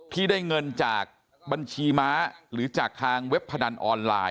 ที่ได้เงินจากบัญชีม้าหรือจากทางเว็บพนันออนไลน์